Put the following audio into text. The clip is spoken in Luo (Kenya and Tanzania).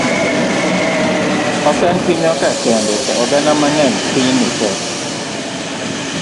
Ok en pinywa ka kende to oganda mang'eny piny ni tee